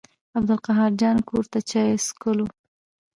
عبدالقاهر جان کور ته چای څښلو.